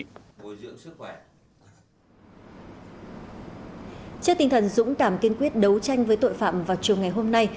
trước tinh thần dũng cảm kiên quyết đấu tranh với tội phạm vào chiều ngày hôm nay